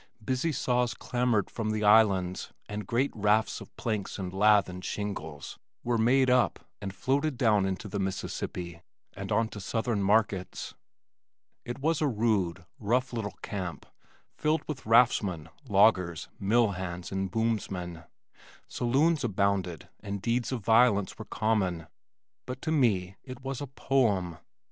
Busy saws clamored from the islands and great rafts of planks and lath and shingles were made up and floated down into the Mississippi and on to southern markets. It was a rude, rough little camp filled with raftsmen, loggers, mill hands and boomsmen. Saloons abounded and deeds of violence were common, but to me it was a poem.